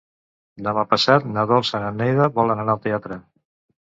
Demà passat na Dolça i na Neida volen anar al teatre.